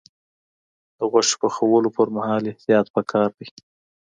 د غوښې پخولو پر مهال احتیاط پکار دی.